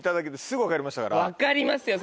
分かりますよ